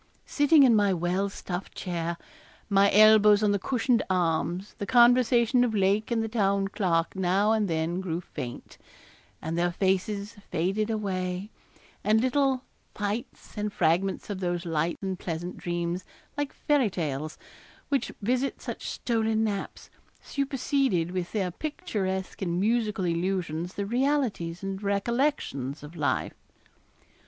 Sitting in my well stuffed chair, my elbows on the cushioned arms, the conversation of Lake and the Town Clerk now and then grew faint, and their faces faded away, and little 'fyttes' and fragments of those light and pleasant dreams, like fairy tales, which visit such stolen naps, superseded with their picturesque and musical illusions the realities and recollections of life.